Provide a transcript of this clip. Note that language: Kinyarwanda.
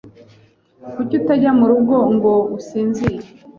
Kuki utajya murugo ngo usinzire?